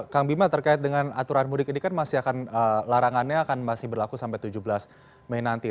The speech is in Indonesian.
kang bima terkait dengan aturan mudik ini kan masih akan larangannya akan masih berlaku sampai tujuh belas mei nanti